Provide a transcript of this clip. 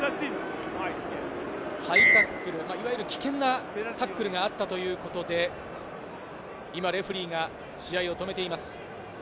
ハイタックル、いわゆる危険なタックルがあったということで、今レフェリーが試合を止めています。